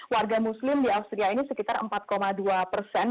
warga muslim di austria ini sekitar empat orang